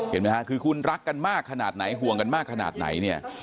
เห็นไหมฮะคือคุณรักกันมากขนาดไหนห่วงกันมากขนาดไหนเนี่ย